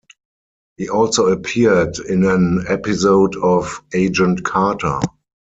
He also appeared in an episode of "Agent Carter".